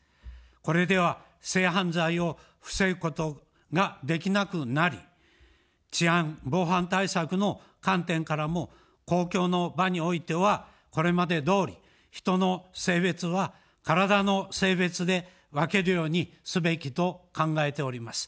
これでは性犯罪を防ぐことができなくなり、治安、防犯対策の観点からも、公共の場においては、これまでどおり人の性別は体の性別で分けるようにすべきと考えております。